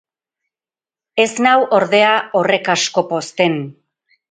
Ez nau, ordea, horrek asko pozten.